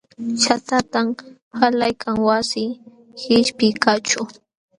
Shaqtatam qalaykan wasi qishpiykaqćhu.